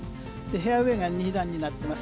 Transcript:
フェアウェーが２段になっています。